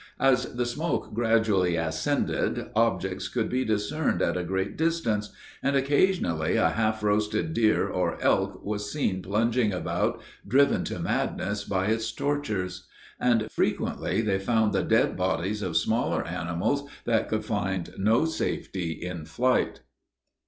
As the smoke gradually ascended, objects could be discerned at a great distance, and occasionally a half roasted deer or elk was seen plunging about, driven to madness by its tortures. And frequently they found the dead bodies of smaller animals that could find no safety in flight.